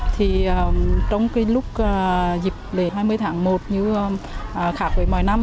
thì trong cái lúc dịp lễ hai mươi tháng một như khác với mọi năm